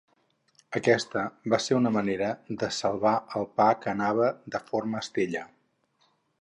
Aquesta va ser una manera de salvar el pa que anava de forma Estella.